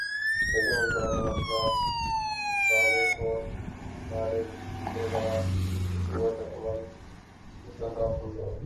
لیکن وہی پرانا مسئلہ، دعوے اور نعرے بے بہا، قوت عمل ذرا کمزور۔